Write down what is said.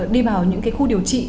đi vào những cái khu điều trị